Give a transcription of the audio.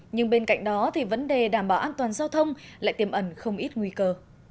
nhưng bên cạnh đó thì vấn đề đảm bảo an toàn giao thông lại tiềm ẩn không ít nguy cơ